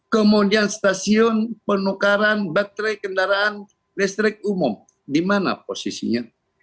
kemudian stasiun penukaran baterai kendaraan listrik umum di mana posisinya